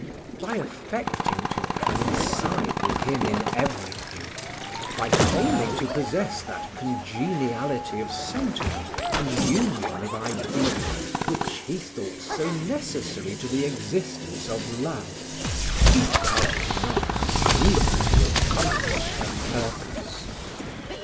By affecting to coincide with him in every thing by feigning to possess that congeniality of sentiment and union of idea, which he thought so necessary to the existence of love, she doubted not soon to accomplish her purpose.